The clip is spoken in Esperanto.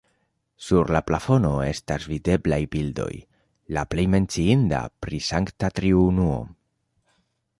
Sur la plafono estas videblaj bildoj, la plej menciinda pri Sankta Triunuo.